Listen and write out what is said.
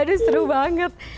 aduh seru banget